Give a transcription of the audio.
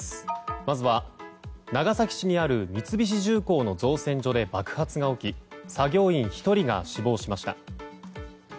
まずは長崎市にある三菱重工の造船所で爆発が起き作業員１人が死亡しました。